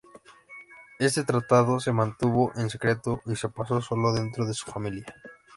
Este tratado se mantuvo en secreto y se pasó solo dentro de su familia.